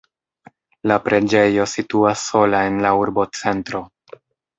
La preĝejo situas sola en la urbocentro.